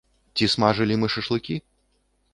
Ці смажылі мы шашлыкі?